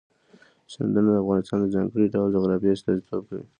سیندونه د افغانستان د ځانګړي ډول جغرافیه استازیتوب کوي.